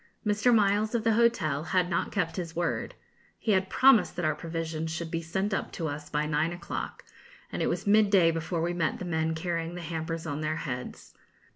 Mr. Miles, of the hotel, had not kept his word; he had promised that our provisions should be sent up to us by nine o'clock, and it was midday before we met the men carrying the hampers on their heads.